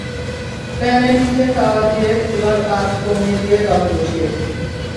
প্যানের নিচে তাওয়া দিয়ে চুলার আঁচ কমিয়ে দিয়ে দমে বসিয়ে দিন।